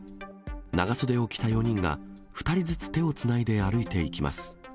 長袖を着た４人が、２人ずつ手をつないで歩いていきます。